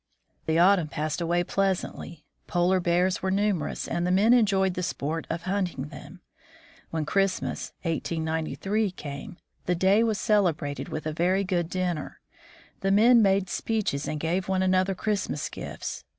The autumn passed away pleasantly. Polar bears were numerous, and the men enjoyed the sport of hunting them. When Christmas (1893) came, the day was celebrated by a very good dinner. The men made speeches and gave one another Christmas gifts.